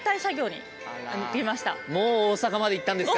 もう大阪まで行ったんですか。